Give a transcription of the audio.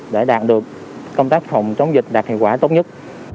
để đạt được công tác phòng chống dịch đạt hiệu quả tốt nhất